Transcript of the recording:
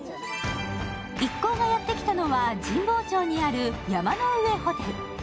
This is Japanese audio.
一行がやってきたのは神保町にある山の上ホテル。